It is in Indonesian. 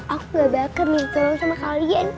aku gak bakal minta tolong sama kalian